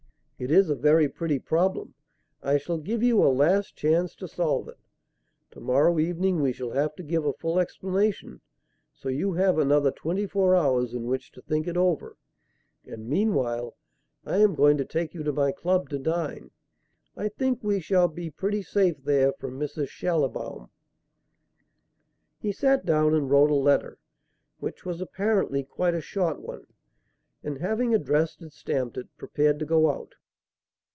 It is a very pretty problem. I shall give you a last chance to solve it. To morrow evening we shall have to give a full explanation, so you have another twenty four hours in which to think it over. And, meanwhile, I am going to take you to my club to dine. I think we shall be pretty safe there from Mrs. Schallibaum." He sat down and wrote a letter, which was apparently quite a short one, and having addressed and stamped it, prepared to go out.